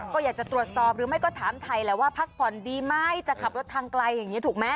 ก็อยากจะตรวจสอบหรือไม่ก็ถามไทยแหละว่าพักผ่อนดีไหมจะขับรถทางไกลอย่างนี้ถูกไหม